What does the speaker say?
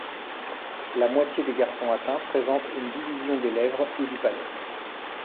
La moitié des garçons atteints présentent une division des lèvres ou du palais.